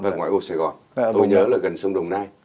tôi nhớ là gần sông đồng nai